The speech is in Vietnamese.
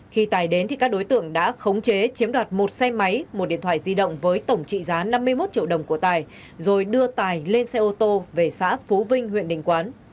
khi tài đến thì các đối tượng đã khống chế chiếm đoạt một xe máy một điện thoại di động với tổng trị giá năm mươi một triệu đồng của tài rồi đưa tài lên xe ô tô về xã phú vinh huyện đình quán